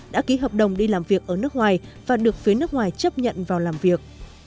đã ký hợp đồng đi làm việc ở nước ngoài và được phía nước ngoài chấp nhận vào làm việc